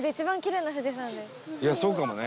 いやそうかもね。